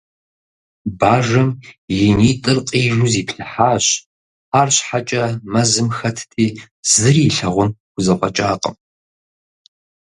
Бажэм и нитӀыр къижу зиплъыхьащ. АрщхьэкӀэ мэзым хэтти, зыри илъагъун хузэфӀэкӀакъым.